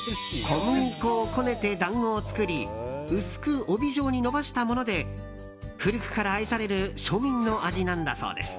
小麦粉をこねて団子を作り薄く帯状に延ばしたもので古くから愛される庶民の味なんだそうです。